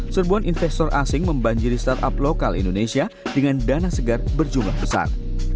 serbuan investor asing membanjiri startup lokal indonesia dengan dana segar berjumlah besar